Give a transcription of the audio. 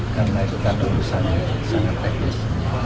karena itu kan urusan sangat teknis